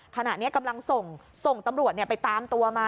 ขณะนี้กำลังส่งส่งตำรวจไปตามตัวมา